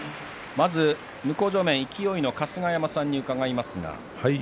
まず勢の春日山さんに伺います。